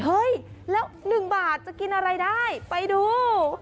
เฮ้ยแล้ว๑บาทจะกินอะไรได้ไปดู